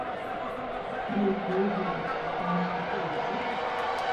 Mei ik freegje wat dat keunstwurk foarstelt?